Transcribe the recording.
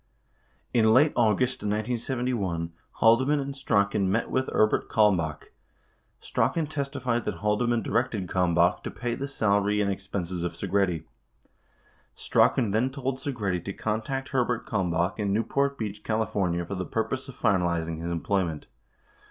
7 In late August 1971, Haldeman and Strachan met with Herbert Kalmbach. Strachan testi fied that Haldeman directed Kalmbach to pay the salary and ex penses of Segretti. 8 Strachan then told Segretti to contact Herbert Kalmbach in New port Beach, Calif., for the purpose of finalizing his employment.